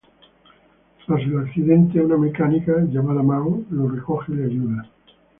Tras el accidente, una mecánica llamada Mo, le recoge y le ayuda.